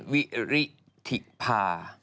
วิริธิภา